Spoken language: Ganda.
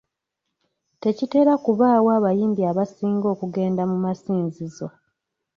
Tekitera kubaawo abayimbi abasinga okugenda mu masinzizo.